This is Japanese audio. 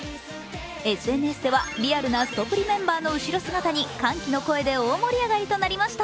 ＳＮＳでは、リアルなすとぷりメンバーの後ろ姿に歓喜の声で大盛り上がりとなりました。